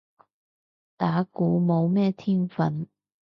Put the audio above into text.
打鼓冇咩天份